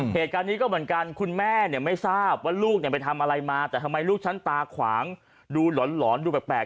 เหตุการณ์นี้ก็เหมือนกันคุณแม่เนี่ยไม่ทราบว่าลูกไปทำอะไรมาแต่ทำไมลูกฉันตาขวางดูหลอนดูแปลก